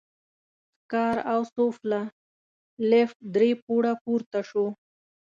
ښکار او سوفله، لېفټ درې پوړه پورته شو.